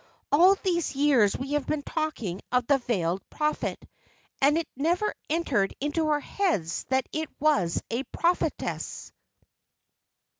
"All these years we have been talking of the Veiled Prophet, and it never entered into our heads that it was a prophetess."